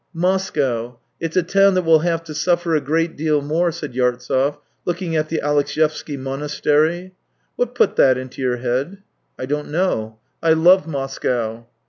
" Moscow — it's a town that will have to suffer a great deal more," said Yartsev. looking at the Alexyevsky Monastery. " What put that into your head ?"" I don't know. I love Moscow."